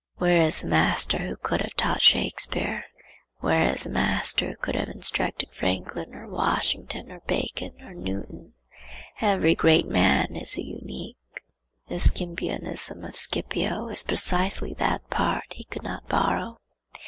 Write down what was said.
Where is the master who could have taught Shakspeare? Where is the master who could have instructed Franklin, or Washington, or Bacon, or Newton? Every great man is a unique. The Scipionism of Scipio is precisely that part he could not borrow.